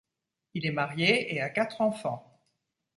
Il est marié, et a quatre enfants.